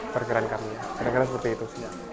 perkiraan kami ya perkiraan seperti itu